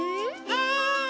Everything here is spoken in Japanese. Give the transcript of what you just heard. はい！